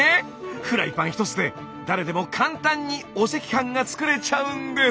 フライパン１つで誰でも簡単にお赤飯が作れちゃうんです！